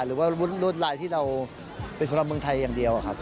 หรือว่ารวดลายที่เราเป็นสำหรับเมืองไทยอย่างเดียวครับ